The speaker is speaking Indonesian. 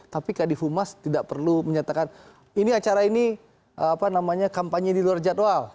tapi kadif humas tidak perlu menyatakan ini acara ini kampanye di luar jadwal